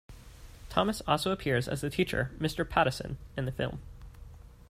Thomas also appears as the teacher Mr. Pattison in the film.